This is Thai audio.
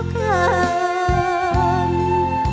แต่เธอช่างโหดร้ายลื้อเกิน